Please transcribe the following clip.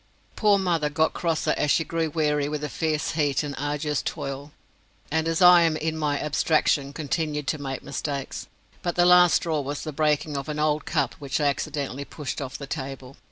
Poor mother got crosser as she grew weary with the fierce heat and arduous toil, and as I in my abstraction continued to make mistakes, but the last straw was the breaking of an old cup which I accidentally pushed off the table.